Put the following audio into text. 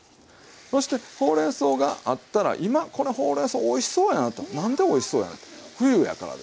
そしてほうれんそうがあったら今このほうれんそうおいしそうやなとなんでおいしそうやねんて冬やからですねっ。